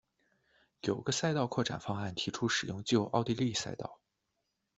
有个赛道扩展方案提出使用旧奥地利赛道。